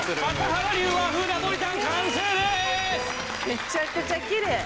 めちゃくちゃきれい！